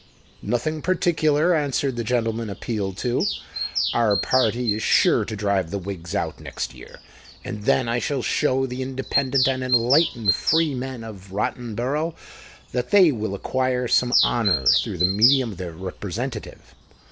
"Nothing particular," answered the gentleman appealed to. "Our party is sure to drive the Whigs out next year; and then I shall show the independent and enlightened freemen of Rottenborough that they will acquire some honour through the medium of their representative."